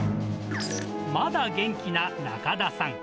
まだ元気な中田さん。